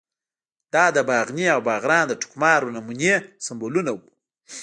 دا د باغني او باغران د ټوکمارو نمونې او سمبولونه وو.